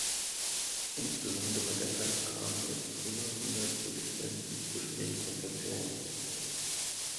Insbesondere deshalb kam es immer wieder zu Differenzen zwischen den Konfessionen.